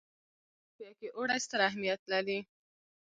د افغانستان جغرافیه کې اوړي ستر اهمیت لري.